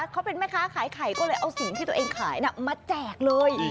เขาเป็นแม่ค้าขายไข่ก็เลยเอาสิ่งที่ตัวเองขายมาแจกเลย